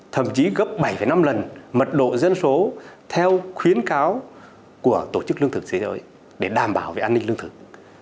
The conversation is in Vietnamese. thậm chí gấp bảy năm lần mật độ dân số theo khuyến cáo của tổ chức lương thực thế giới để đảm bảo về an ninh lương thực